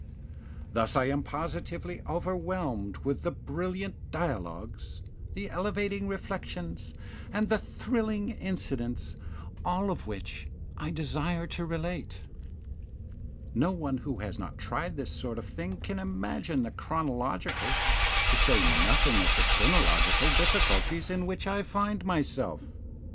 Thus I am positively overwhelmed with the brilliant dialogues, the elevating reflections, and the thrilling incidents, all of which I desire to relate. No one who has not tried this sort of thing can imagine the chronological, to say nothing of the crinological, difficulties in which I find myself.